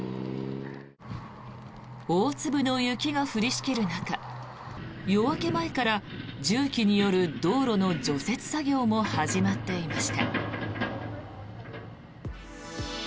大粒の雪が降りしきる中夜明け前から重機による道路の除雪作業も始まっていました。